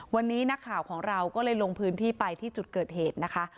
วันนี้นักข่าวของเราก็เลยลงพื้นที่ไปที่จุดเกิดเหตุนะคะ